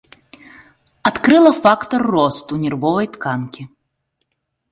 Адкрыла фактар росту нервовай тканкі.